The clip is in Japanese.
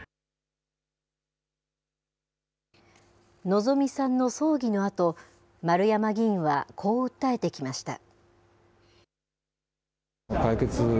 希美さんの葬儀のあと、丸山議員はこう訴えてきました。